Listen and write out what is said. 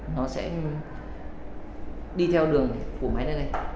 nó sẽ đi theo đường của máy này đây